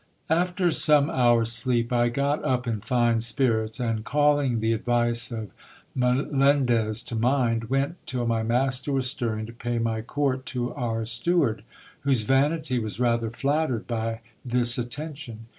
After some hours' sleep I got up in fine spirits ; and calling the advice of Melen dez to mind, went, till my master was stirring, to pay my court to our steward, whose vanity was rather flattered by this attention.